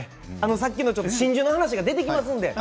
さっきの真珠の話が出てきますので。